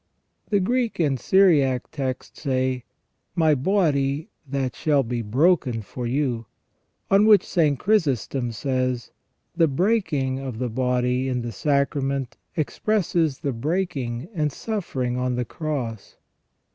The Greek and Syriac texts say :" My body that shall be broken for you". On which St. Chrysostom says :" The breaking of the body in the sacrament expresses the break ing and suffering on the Cross